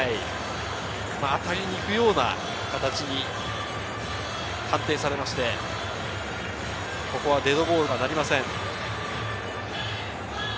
当たりに行くような形に判定されまして、ここはデッドボールとはなりません。